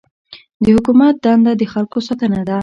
د حکومت دنده د خلکو ساتنه ده.